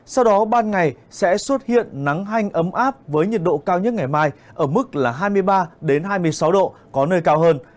sau đó ban ngày sẽ xuất hiện nắng hanh ấm áp với nhiệt độ cao nhất ngày mai ở mức là hai mươi ba hai mươi sáu độ có nơi cao hơn